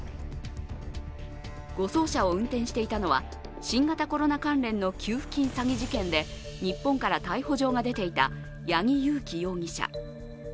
護送車を運転していたのは新型コロナ関連の給付金詐欺事件で日本から逮捕状が出ていた八木佑樹容疑者。